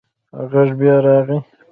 غږ بیا راغی.